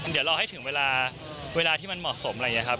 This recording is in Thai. เดี๋ยวรอให้ถึงเวลาเวลาที่มันเหมาะสมอะไรอย่างนี้ครับ